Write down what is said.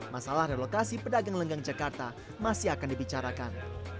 masalah relokasi pedagang lenggang jakarta masih akan dibicarakan